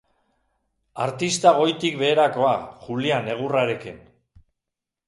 Artista goitik beherakoa Julian egurrarekin.